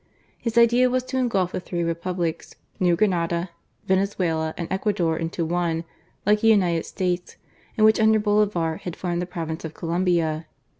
His idea was to engulph the three Republics, New Granada, Venezuela, and Ecuador into one, like the United States, and which under Bolivar had formed the province of Colombia.